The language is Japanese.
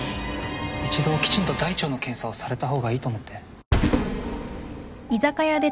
一度きちんと大腸の検査をされた方がいいと思って